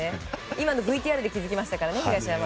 今のＶＴＲで気づきましたからね。